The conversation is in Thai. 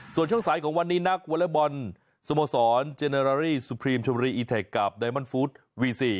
ส่วนช่วงสายของวันนี้นักวอเล็กบอลสโมสรเจเนอรี่รารี่สุพรีมชมรีอีเทคกับไดมอนฟู้ดวีซี